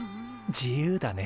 自由だね。